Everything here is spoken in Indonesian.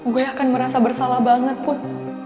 gue akan merasa bersalah banget pun